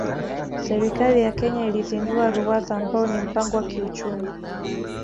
Serikali ya Kenya ilizindua Ruwaza ambao ni mpango wa kiuchumi